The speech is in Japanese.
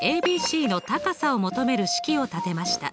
ＡＢＣの高さを求める式を立てました。